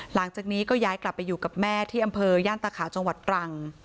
หลังจากนี้ก็ย้ายกลับไปอยู่กับแม่ที่อำเภอย่านตาขาวจังหวัดตรัง